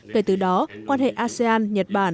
kể từ đó quan hệ asean nhật bản đã có những tiến hành